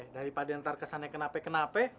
daripada diantar kesannya kenapa kenapa